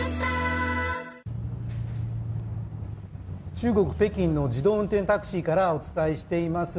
中国・北京の自動運転タクシーからお伝えしています。